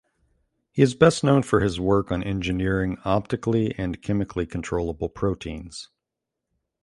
He is best known for his work on engineering optically and chemically controllable proteins.